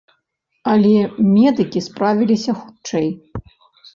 Але медыкі справіліся хутчэй.